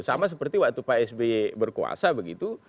sama seperti waktu pak sby berkuasa begitu